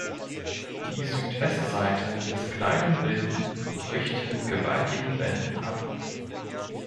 Die Südwestseite des Kleinen Wilden bricht mit gewaltigen Wänden ab.